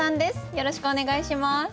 よろしくお願いします。